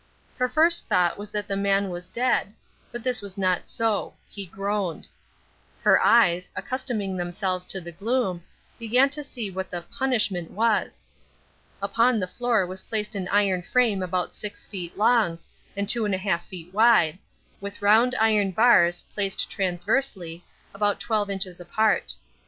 Her first thought was that the man was dead, but this was not so he groaned. Her eyes, accustoming themselves to the gloom, began to see what the "punishment" was. Upon the floor was placed an iron frame about six feet long, and two and a half feet wide, with round iron bars, placed transversely, about twelve inches apart.